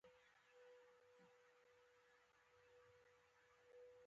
د تاریخ یوه حساسه مقطعه او انقلابونه رامنځته شي.